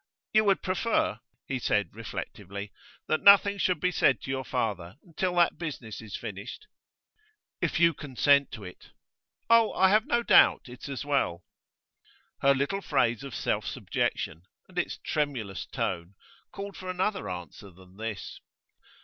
'You would prefer,' he said reflectively, 'that nothing should be said to your father until that business is finished?' 'If you consent to it.' 'Oh, I have no doubt it's as well.' Her little phrase of self subjection, and its tremulous tone, called for another answer than this.